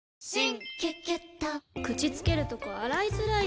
口つけるとこ洗いづらい！